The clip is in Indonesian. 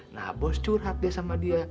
nah bos curhat dia sama dia